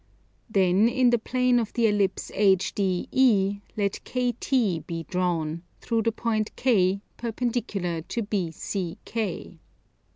Then in the plane of the Ellipse HDE let KT be drawn, through the point K, perpendicular to BCK.